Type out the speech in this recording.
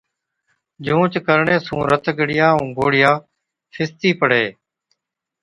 جھُونچ ڪرڻي سُون رت ڳڙِيا ائُون گوڙهِيا فِستِي پڙهي۔